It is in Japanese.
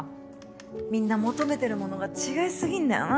みんな求めてるものが違いすぎんだよな。